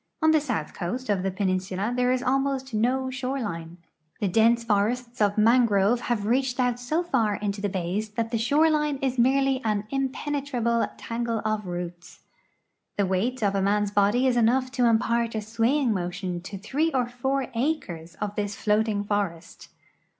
On the south coast of the peninsula there is almost no shore line. The dense Ibrests 392 GEOGRAPHY OF THE SOUTHERN PENINSULA of mangrove have reached out so far into the hays that tlie shore line is merely an impenetrable tangle of roots. The weight of a man's Vjody is enough to impart a swaying motion to three or four acres of this floating forest.